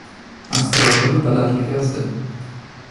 "Astrologowie badali gwiazdy."